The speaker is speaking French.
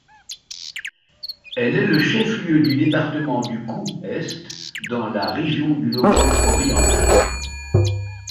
Elle est le chef-lieu du département du Kouh-Est dans la région du Logone Oriental.